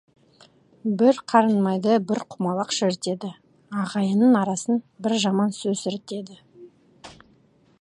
Бір қарын майды бір құмалақ шірітеді, ағайынның арасын бір жаман сөз ірітеді.